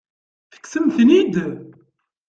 Tekksemt-ten-id?